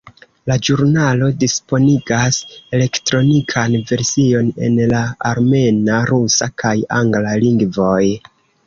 La ĵurnalo disponigas elektronikan version en la armena, rusa kaj angla lingvoj.